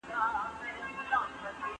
الله پاک زموږ څخه د نېکو اعمالو غوښتنه کوي.